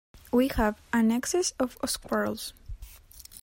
We have an excess of squirrels.